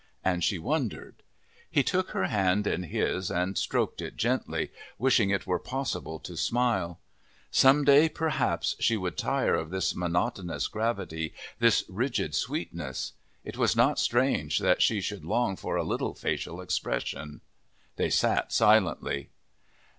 And she wondered. He took her hand in his and stroked it gently, wishing it were possible to smile. Some day, perhaps, she would tire of this monotonous gravity, this rigid sweetness. It was not strange that she should long for a little facial expression. They sat silently.